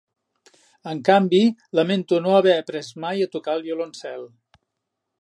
En canvi, lamento no haver après mai a tocar el violoncel.